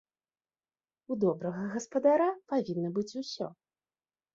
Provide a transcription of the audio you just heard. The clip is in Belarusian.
У добрага гаспадара павінна быць усё.